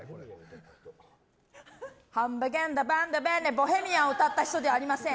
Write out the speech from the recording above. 「ボヘミアン」を歌った人ではありません。